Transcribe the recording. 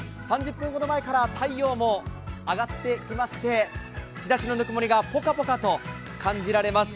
３０分ほど前から太陽も上がってきまして、日ざしのぬくもりがポカポカと感じられます。